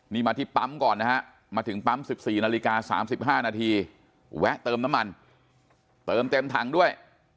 นี่มาที่ปั๊มก่อนนะฮะมาถึงปั๊ม๑๔นาฬิกา๓๕นาทีแวะเติมน้ำมันเติมเต็มถังด้วย